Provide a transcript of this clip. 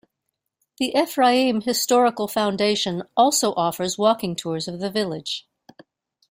The Ephraim Historical Foundation also offers walking tours of the village.